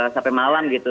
sampai malam gitu